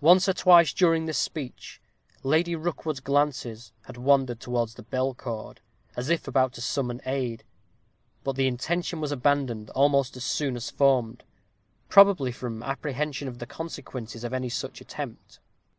Once or twice during this speech Lady Rookwood's glances had wandered towards the bell cord, as if about to summon aid; but the intention was abandoned almost as soon as formed, probably from apprehension of the consequences of any such attempt.